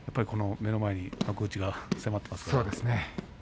目の前に幕内が迫っていると。